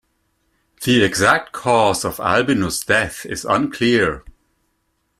The exact cause of Albinus' death is unclear.